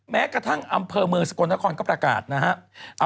แม้กระทั่งอำเภอเมืองสกวนทระคลก็ประกาศนะครับ